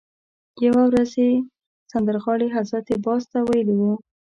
یوه ورځ یې سندرغاړي حضرت باز ته ویلي وو.